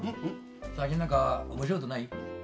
最近何か面白いことない？